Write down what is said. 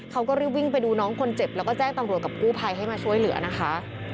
เขาก็รีบวิ่งไปดูน้องคนเจ็บแล้วก็แจ้งตำรวจกับกู้ภัยให้มาช่วยเหลือนะคะ